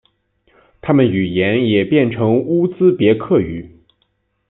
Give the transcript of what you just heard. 他们语言也变成乌兹别克语。